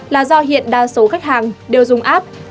là do hiện đa số khách hàng đều dùng app